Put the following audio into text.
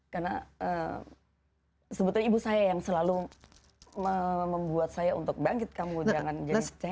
karena sebetulnya ibu saya yang selalu membuat saya untuk bangkit kamu jangan jadi cengit